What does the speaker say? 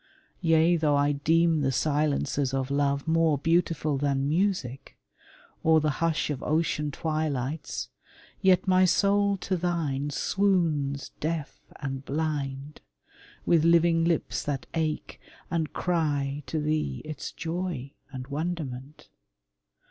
Yea, though I deem the silences of love More beautiful than music, or the hush Of ocean twilights, yet my soul to thine Swoons deaf and blind, with living lips that ache And cry to thee its joy and wonderment.